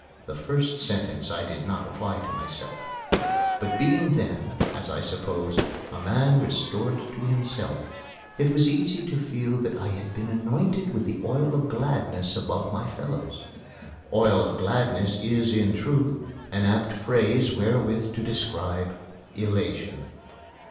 The first sentence I did not apply to myself; but being then, as I supposed, a man restored to himself, it was easy to feel that I had been anointed with the oil of gladness above my fellows. "Oil of gladness" is, in truth, an apt phrase wherewith to describe elation.